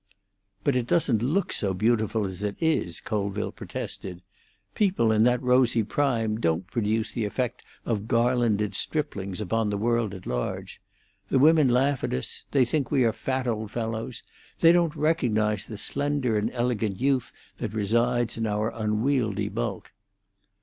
"But it doesn't look so beautiful as it is," Colville protested. "People in that rosy prime don't produce the effect of garlanded striplings upon the world at large. The women laugh at us; they think we are fat old fellows; they don't recognise the slender and elegant youth that resides in our unwieldy bulk."